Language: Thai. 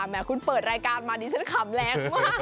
เนี่ยคุณเปิดรายการมาเดี๋ยวดีฉันกระมแรงมาก